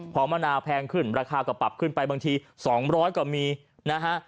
พอมะนาวแพงขึ้นราคาก็ปรับขึ้นไปบางที๒๐๐ก็มีนะฮะ